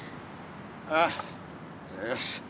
ああよし。